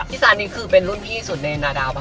พี่สันคือเป็นรุ่นพี่สุดในนาดามหรอครับ